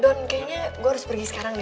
don kayaknya gue harus pergi sekarang ya